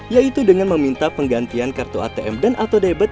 yaitu dengan meminta penggantian kartu atm dan atau debat